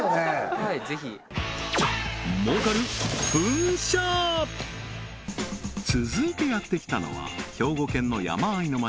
はいぜひ続いてやってきたのは兵庫県の山あいの町